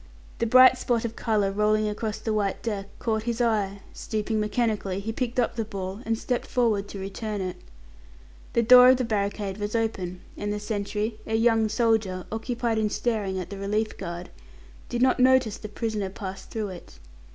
The bright spot of colour rolling across the white deck caught his eye; stooping mechanically, he picked up the ball, and stepped forward to return it. The door of the barricade was open and the sentry a young soldier, occupied in staring at the relief guard did not notice the prisoner pass through it.